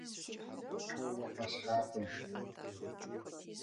Хьэуэ, къэсхьакъым.